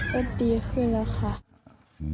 ก็ดีขึ้นแล้วค่ะ